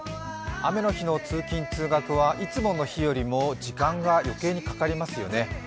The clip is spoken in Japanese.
雨の日の通勤・通学はいつもの日よりも時間が余計にかかりますよね。